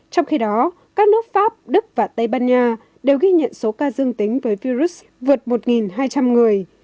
trong khi đó các nước pháp đức và tây ban nha đều ghi nhận số ca dương tính với virus vượt một hai trăm linh người